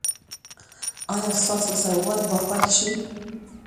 ایا ستاسو سوغات به خوښ شي؟